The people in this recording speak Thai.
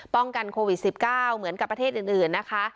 ป้องกันโควิดสิบเก้าเหมือนกับประเทศอื่นอื่นนะคะ